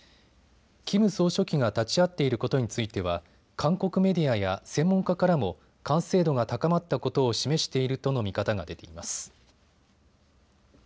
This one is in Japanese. キム総書記が立ち会っていることについては韓国メディアや専門家からも完成度が高まったことを示しているとの見方が出ています。